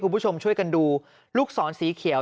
คุณผู้ชมช่วยกันดูลูกศรสีเขียว